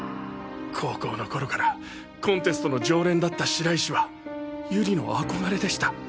高校の頃からコンテストの常連だった白石はゆりの憧れでした。